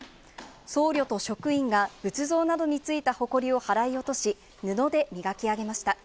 僧侶と職員が仏像などについたほこりを払い落とし、布で磨き上げました。